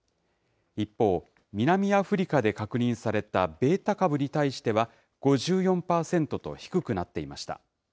一方、南アフリカで確認されたベータ株に対しては、５４％と低くなっていました。